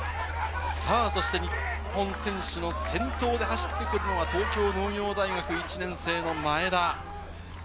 そして日本選手の先頭で走ってくるのは東京農業大学１年生の前田。